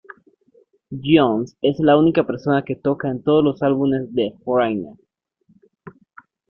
Jones es la única persona que toca en todos los álbumes de Foreigner.